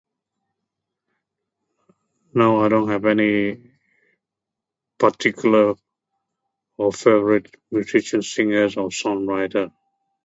No I don't have any particular or favourite [unintelligible] singers or songwriter